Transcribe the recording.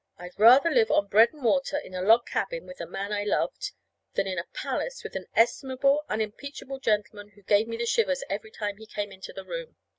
I'd rather live on bread and water in a log cabin with the man I loved than in a palace with an estimable, unimpeachable gentleman who gave me the shivers every time he came into the room."